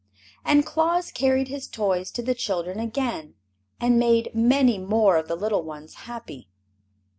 And Claus carried his toys to the children again, and made many more of the little ones happy.